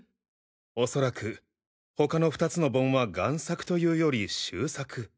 おそらく他の２つの盆は贋作というより習作。